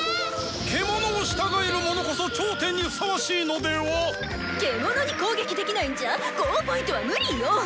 獣を従える者こそ頂点にふさわしいのでは⁉獣に攻撃できないんじゃ高Ｐはムリよ！